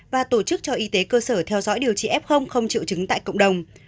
và tổ chức cho y tế cơ sở theo dõi điều trị f không triệu chứng tại cộng đồng